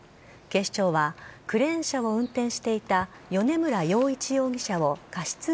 警視庁はクレーン車を運転していた米村洋一容疑者を過失